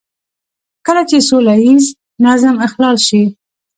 کله چې سوله ييز نظم اخلال شي.